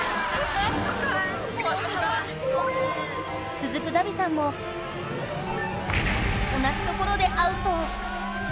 つづくダビさんも同じところでアウト！